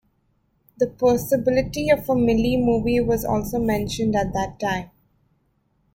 The possibility of a Millie movie was also mentioned at that time.